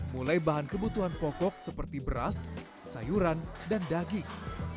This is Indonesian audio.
mulai bahan kebutuhan pokok seperti beras sayuran dan daging